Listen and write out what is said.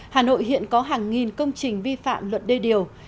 hà nội hiện có hàng nghìn công trình vi phạm luật đê điều